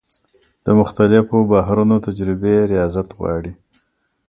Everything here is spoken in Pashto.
د مختلفو بحرونو تجربې ریاضت غواړي.